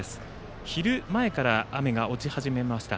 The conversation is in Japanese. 昼前から雨が落ち始めました。